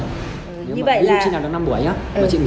sau khoảng một tuần